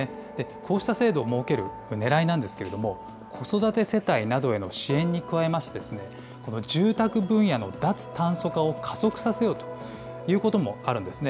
こうした制度を設けるねらいなんですけれども、子育て世帯などへの支援に加えまして、住宅分野の脱炭素化を加速させようということもあるんですね。